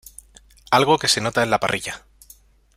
Algo que se nota en la parrilla.